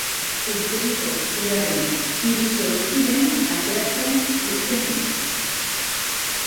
Urtegiko uraren hiru zortziren ateratzen uzten dute.